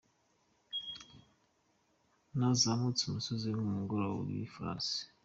Nazamutse umusozi ku mugongo w'ifarashi.